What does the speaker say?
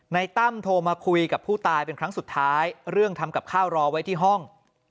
ตั้มโทรมาคุยกับผู้ตายเป็นครั้งสุดท้ายเรื่องทำกับข้าวรอไว้ที่ห้อง